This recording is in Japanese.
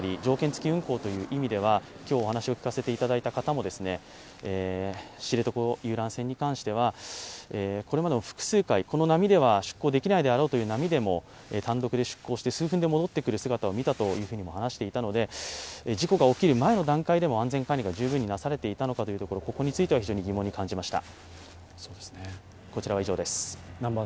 つき運航という意味では、今日お話を聞かせていただいた方も知床遊覧船に関してはこれまでも複数回、この波では出航できないであろうという波でも単独で出航して数分で戻ってくる姿も見たという話をしているので、事故が起きる前の段階でも安全管理ができていたのかどうかここについては非常に疑問に感じました。